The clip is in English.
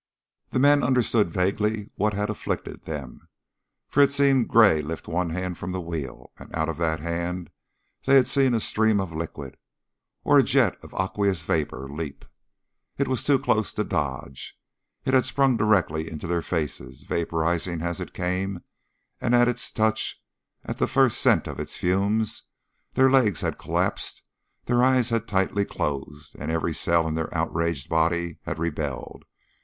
The men understood vaguely what had afflicted them, for they had seen Gray lift one hand from the wheel, and out of that hand they had seen a stream of liquid, or a jet of aqueous vapor, leap. It was too close to dodge. It had sprung directly into their faces, vaporizing as it came, and at its touch, at the first scent of its fumes, their legs had collapsed, their eyes had tightly closed, and every cell in their outraged bodies had rebelled.